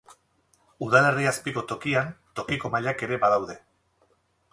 Udalerri azpiko tokian tokiko mailak ere badaude.